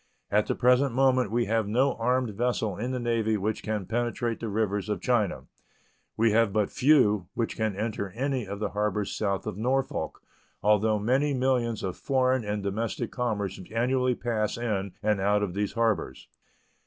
At the present moment we have no armed vessel in the Navy which can penetrate the rivers of China. We have but few which can enter any of the harbors south of Norfolk, although many millions of foreign and domestic commerce annually pass in and out of these harbors.